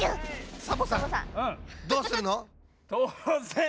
サボさんどうするの？